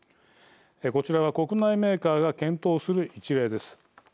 こちらは国内メーカーが検討する一例です。